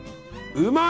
うまい！